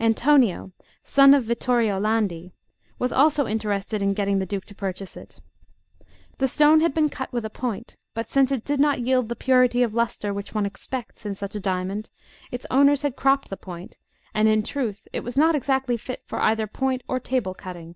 Antonio, son of Vittorio Landi, was also interested in getting the Duke to purchase it. The stone had been cut with a point; but since it did not yield the purity of lustre which one expects in such a diamond, its owners had cropped the point, and, in truth, it was not exactly fit for either point or table cutting.